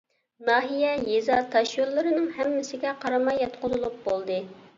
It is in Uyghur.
ناھىيە، يېزا تاشيوللىرىنىڭ ھەممىسىگە قاراماي ياتقۇزۇلۇپ بولدى.